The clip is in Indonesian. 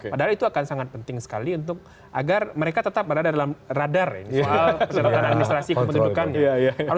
padahal itu akan sangat penting sekali untuk agar mereka tetap berada dalam radar soal administrasi kependudukan